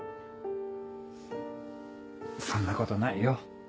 そんなことないよ。